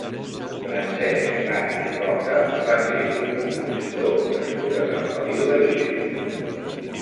Francesc Bach i Roca va ser un compositor nascut a Sant Feliu de Guíxols.